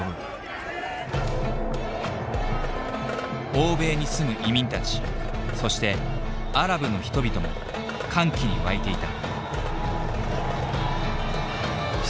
欧米に住む移民たちそしてアラブの人々も歓喜に沸いていた。